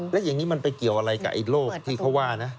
แล้วอย่างนี้มันไปเกี่ยวอะไรกับไอ้โลกที่เขาว่านะ